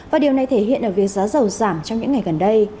và điều này thể hiện ở việc giá dầu giảm trong những ngày gần đây